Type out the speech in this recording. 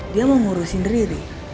dia mau ngurusin riri